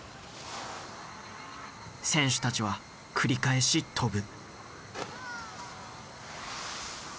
選手たちは繰り返し飛ぶ。